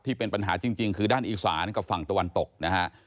ที่เป็นปัญหาจริงคือด้านอีสานกับฝั่งตะวันตกนะฮะ